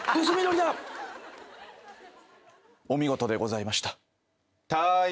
お見事でございました。